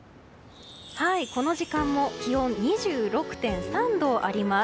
この時間も気温２６．３度あります。